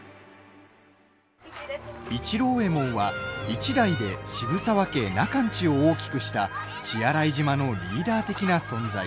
市郎右衛門は、一代で渋沢家中の家を大きくした血洗島のリーダー的な存在。